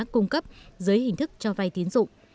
cung cấp dưới hình thức cho vai tiến dụng